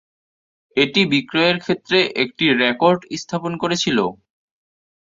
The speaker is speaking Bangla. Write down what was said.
এটি বিক্রয়ের ক্ষেত্রে একটি রেকর্ড স্থাপন করেছিল।